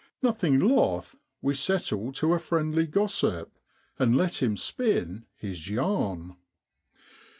Nothing loth, we settle to a friendly gossip, and let him spin his yarn.